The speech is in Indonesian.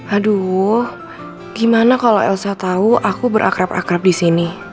aduh gimana kalo elsa tau aku berakrab akrab disini